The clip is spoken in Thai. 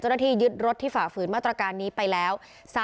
เจ้าหน้าที่ยึดรถที่ฝ่าฝืนมาตรการนี้ไปแล้ว